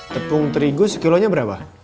tepung terigu sekilonya berapa